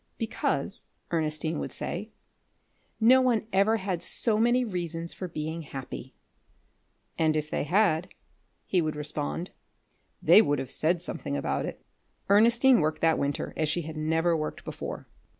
"Because," Ernestine would say, "no one ever had so many reasons for being happy." "And if they had," he would respond, "they would have said something about it." Ernestine worked that winter as she had never worked before.